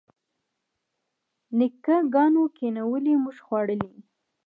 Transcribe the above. نیکه ګانو کینولي موږ خوړلي.